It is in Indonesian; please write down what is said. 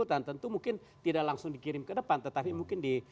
dan tentu mungkin tidak langsung dikirim ke depan tetapi mungkin di